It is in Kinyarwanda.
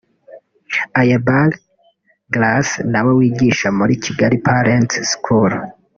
Ayebare Grace na we wigisha muri Kigali Parent’s School